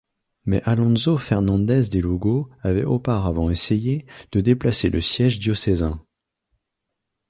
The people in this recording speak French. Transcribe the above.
Mais Alonso Fernández de Lugo avait auparavant essayé de déplacer le siège diocésain.